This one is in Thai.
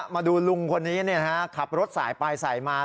มาดูลุงคนนี้ขับรถสายไปสายมา